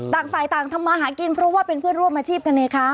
ต่างฝ่ายต่างทำมาหากินเพราะว่าเป็นเพื่อนร่วมอาชีพกันไงคะ